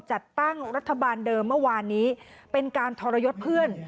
จัดตั้งรัฐบาลเดิมเมื่อวานนี้เป็นการทรยศเพื่อน